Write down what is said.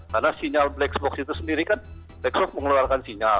karena sinyal black spock itu sendiri kan black spock mengeluarkan sinyal